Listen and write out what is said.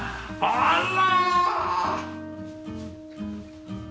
あら。